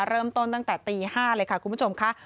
เริ่มต้นตั้งแต่ตี๕เลยค่ะคุณผู้ชมค่ะ